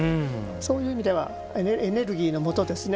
そういう意味ではエネルギーのもとですね